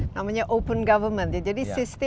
namanya open government